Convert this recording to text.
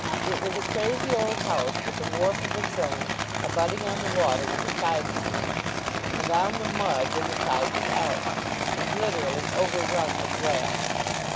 It was a crazy old house with a wharf of its own, abutting on the water when the tide was in, and on the mud when the tide was out, and literally overrun with rats.